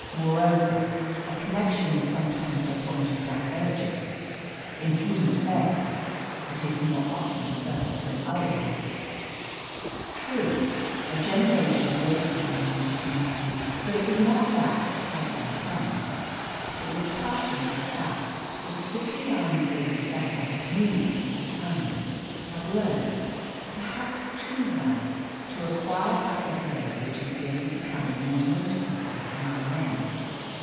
Moreover, a connection is sometimes a point of divergence. In human affairs it is more often so than otherwise. True, a generation lay between these two men, but it was not that that tied their tongues. It was partially the fact that Cipriani de Lloseta had moved with the times had learnt, perhaps, too well, to acquire that reserve which is daily becoming more noticeable among men.